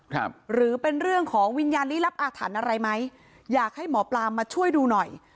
หรือเป็นเรื่องของวิญญาณลี้ลับอาถรรพ์อะไรไหมอยากให้หมอปลามาช่วยดูหน่อย